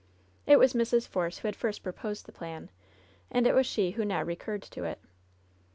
It was Mrs. Force who had first proposed the plan, and it was she who now recurred to it.